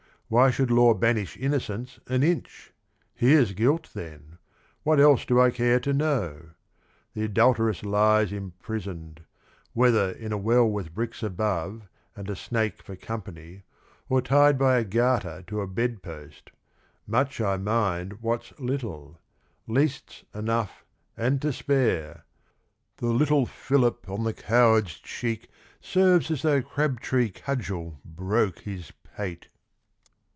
Why should law banish innocence an inch? Here 's guilt then, what else do I care to know? The adulteress lies imprisoned, — whether in a well With bricks above and a snake for company, Or tied by a garter to a bed post, — much I mind what 's little, — least 's enough and to spare ! The little fillip on the coward's cheek Serves as though crab tree cudgel broke his pate."